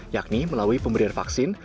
yakni melalui pemberian vaksin